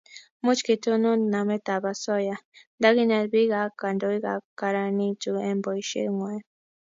Much ketonon namet ab asoya ndakinet biik ak kandoik ko karanitu eng' boishe ngwai